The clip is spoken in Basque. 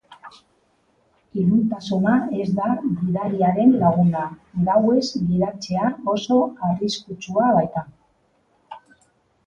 Iluntasuna ez da gidariaren laguna, gauez gidatzea oso arriskutsua baita.